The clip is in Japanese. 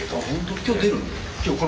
今日、出るの？